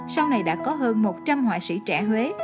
sau này đã có hơn một trăm linh họa sĩ trẻ huế